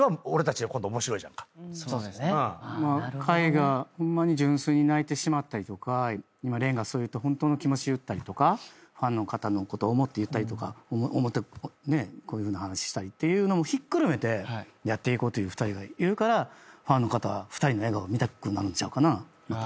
カイがホンマに純粋に泣いてしまったり今レンがホントの気持ち言ったりとかファンの方のことを思って言ったりとかこういうふうな話したりっていうのもひっくるめてやっていこうという２人がいるからファンの方は２人の笑顔見たくなるんちゃうのかな。